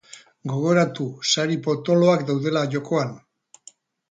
Gogoratu sari potoloak daudela jokoan!